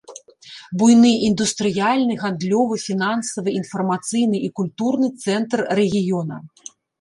Буйны індустрыяльны, гандлёвы, фінансавы, інфармацыйны і культурны цэнтр рэгіёна.